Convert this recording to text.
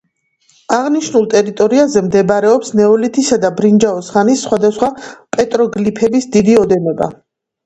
აღნიშნულ ტერიტორიაზე მდებარეობს ნეოლითისა და ბრინჯაოს ხანის სხვადასხვა პეტროგლიფების დიდი ოდენობა.